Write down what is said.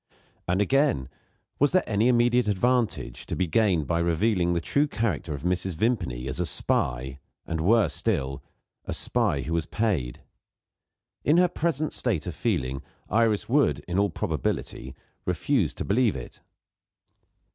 And, again, was there any immediate advantage to be gained by revealing the true character of Mrs. Vimpany, as a spy, and, worse still, a spy who was paid? In her present state of feeling, Iris would, in all probability, refuse to believe it.